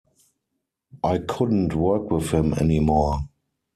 I couldn't work with him anymore.